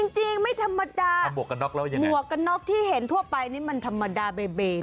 จริงไม่ธรรมดาหมวกกันน็อกที่เห็นทั่วไปนี่มันธรรมดาเบย